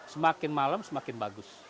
semakin malam semakin bagus